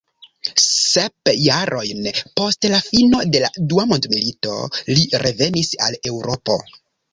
Sep jarojn post la fino de la dua mondmilito li revenis al Eŭropo.